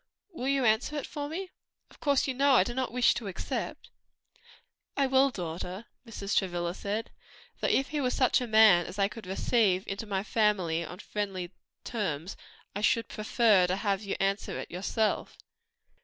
"Will you answer it for me. Of course you know I do not wish to accept." "I will, daughter," Mrs. Travilla said, "though if he were such a man as I could receive into my family on friendly terms, I should prefer to have you answer it yourself."